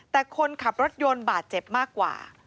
แต่คนขับรถยนต์บาดเจ็บมากกว่า